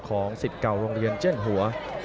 สิทธิ์เก่าโรงเรียนเจียนหัว